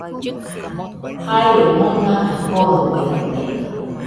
Jaiue nomaka korobaite